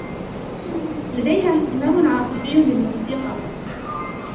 لديها إهتمام عاطفي للموسيقى.